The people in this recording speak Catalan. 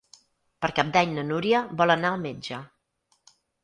Per Cap d'Any na Núria vol anar al metge.